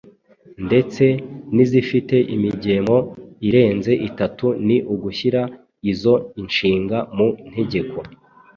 ndetse n’izifite imigemo irenze itatu, ni ugushyira izo inshinga mu ntegeko,